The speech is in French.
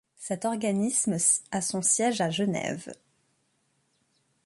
Cet organisme a son siège à Genève.